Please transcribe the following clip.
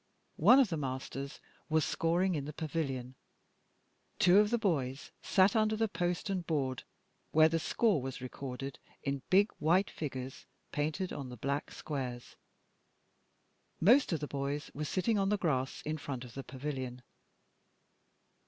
One of the masters was scoring in the pavilion; two of the boys sat under the post and board where the score was recorded in big white figures painted on the black squares. Most of the boys were sitting on the grass in front of the pavilion.